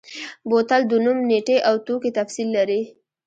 بوتل د نوم، نیټې او توکي تفصیل لري.